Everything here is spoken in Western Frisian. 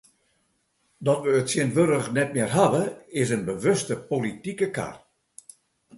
Dat we it tsjintwurdich net mear hawwe, is in bewuste politike kar.